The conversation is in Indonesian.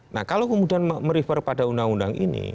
nah kalau kemudian merifer pada undang undang ini